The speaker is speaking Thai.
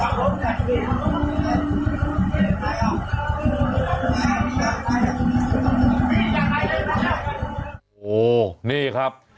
โหนี่ครับ